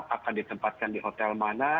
akan ditempatkan di hotel mana